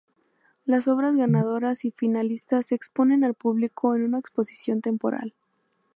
Las obras ganadoras y finalistas se exponen al público en una exposición temporal.